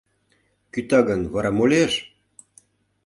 Кӱта гын, вара мо лиеш?